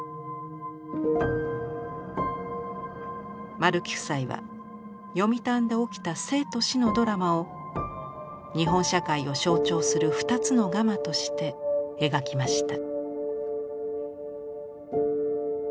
丸木夫妻は読谷で起きた生と死のドラマを日本社会を象徴する２つのガマとして描きました。